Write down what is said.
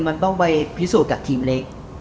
มันต้องไปพิสูจน์กับทีมเล็ก